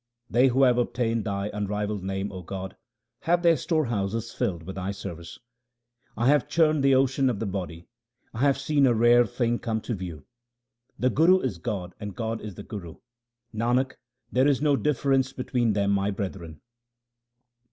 They whd have obtained Thy unrivalled name, O God, have their storehouses filled with Thy service. I have churned the ocean of the body ; I have seen a rare thing come to view. The Guru is God and God is the Guru ; Nanak, there is no difference between them, my brethren.